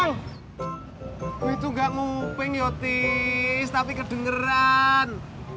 itu gak nguping yotis tapi kedengeran